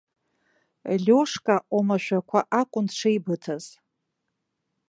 Лиошка омашәақәа акәын дшеибыҭаз.